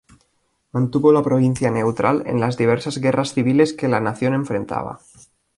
Mantuvo la provincia neutral en las diversas guerras civiles que la nación enfrentaba.